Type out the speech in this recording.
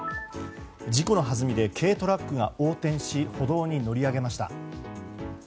事故のはずみで軽トラックが横転し歩道に乗り上げました。